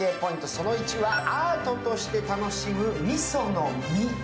その１つはアートとして楽しむ、みその実。